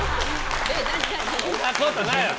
そんなことないよ！